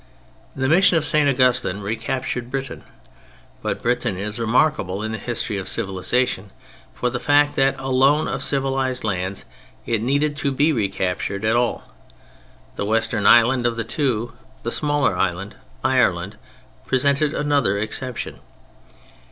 The Mission of St. Augustine recaptured Britain—but Britain is remarkable in the history of civilization for the fact that alone of civilized lands it needed to be recaptured at all. The western island of the two, the smaller island, Ireland, presented another exception.